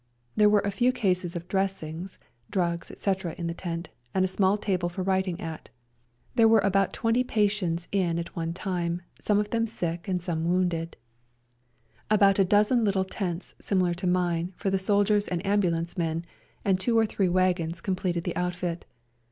There were a few cases of dressings, drugs, etc., in the tent, and a small table for writing at. There were about twenty patients in at one time, some of them sick 22 A SERBIAN AMBULANCE 23 and some wounded. About a dozen little tents, similar to mine, for the soldiers and ambulance men, and two or three wagons completed the outfit.